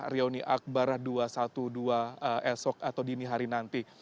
rioni akbar dua ratus dua belas esok atau dini hari nanti